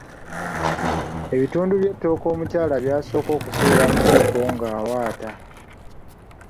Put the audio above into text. Ebitundu by'ettooke omulyala byasooka okusuula mu kibbo ng’awaata.